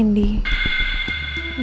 nindi anak aku